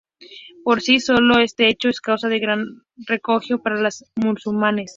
Por sí solo, este hecho es causa de gran regocijo para los musulmanes.